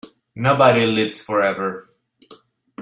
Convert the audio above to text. Nobody Lives Forever